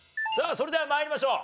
それでは参りましょう。